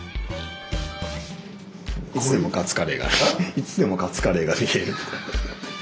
いつでもカツカレーが見える。